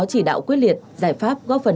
chỉ đạo quyết liệt giải pháp góp phần